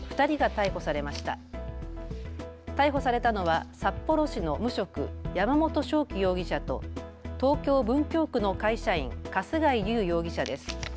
逮捕されたのは札幌市の無職、山本翔輝容疑者と東京文京区の会社員、春日井湧容疑者です。